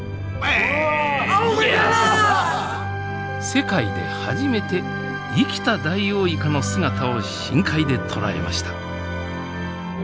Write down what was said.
世界で初めて生きたダイオウイカの姿を深海で捉えました。